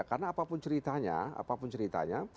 karena apapun ceritanya